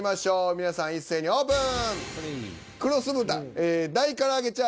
皆さん一斉にオープン。